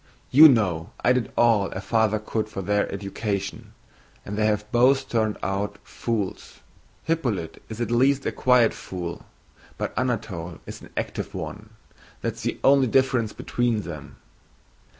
"You know I did all a father could for their education, and they have both turned out fools. Hippolyte is at least a quiet fool, but Anatole is an active one. That is the only difference between them."